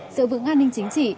sự vững an ninh chính trị